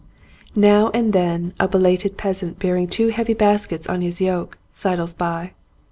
Now and then a belated peasant bearing two heavy baskets on his yoke sidles by.